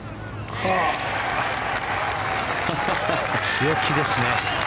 強気ですね。